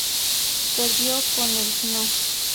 Perdió con el No.